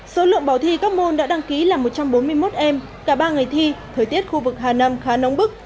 số lượng bảo thi các môn đã đăng ký là một trăm bốn mươi một em cả ba ngày thi thời tiết khu vực hà nam khá nóng bức